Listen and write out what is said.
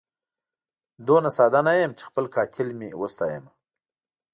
دومره ساده نه یم چي خپل قاتل مي وستایمه